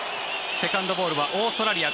セカンドボールはオーストラリア。